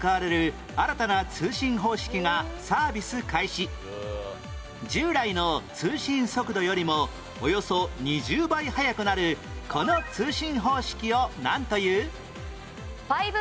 ２年前従来の通信速度よりもおよそ２０倍速くなるこの通信方式をなんという？